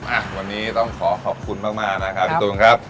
อ่ะวันนี้ต้องขอขอบคุณมากนะครับพี่ตูนครับ